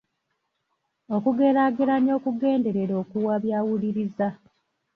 Okugeraageranya okugenderera okuwabya awuliriza.